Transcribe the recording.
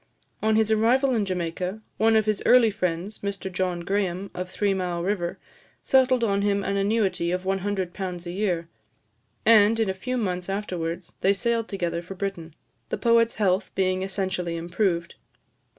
On his arrival in Jamaica, one of his early friends, Mr John Graham, of Three Mile River, settled on him an annuity of £100 a year; and, in a few months afterwards, they sailed together for Britain, the poet's health being essentially improved.